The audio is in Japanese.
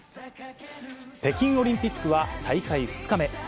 北京オリンピックは大会２日目。